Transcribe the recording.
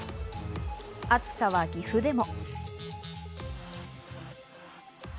暑さは岐阜でも。